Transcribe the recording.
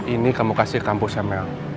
ini kamu kasih kampus ya mel